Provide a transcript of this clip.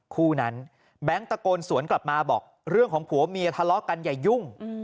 คู่นั้นแบงค์ตะโกนสวนกลับมาบอกเรื่องของผัวเมียทะเลาะกันอย่ายุ่ง